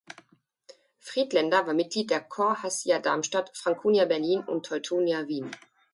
Friedländer war Mitglied der Corps Hassia Darmstadt, Franconia Berlin und Teutonia Wien.